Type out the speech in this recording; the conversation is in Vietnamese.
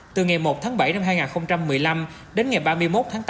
từ ngày một tháng bảy năm hai nghìn một mươi năm đến ngày ba mươi một tháng tám